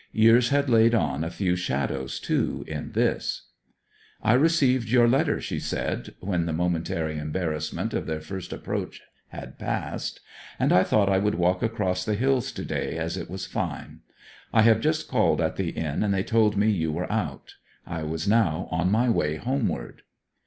Years had laid on a few shadows too in this. 'I received your letter,' she said, when the momentary embarrassment of their first approach had passed. 'And I thought I would walk across the hills to day, as it was fine. I have just called at the inn, and they told me you were out. I was now on my way homeward.'